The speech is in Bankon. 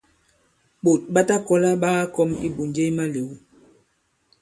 Ɓòt ɓa ta kɔ̀la ɓa kakɔm ibùnje i malew.